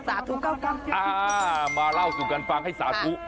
สาธุก็คืออ่ามาเล่าสู่กันฟังให้สาธุ